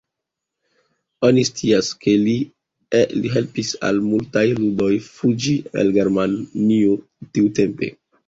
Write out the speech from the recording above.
Oni scias ke li helpis al multaj judoj fuĝi el Germanio tiutempe.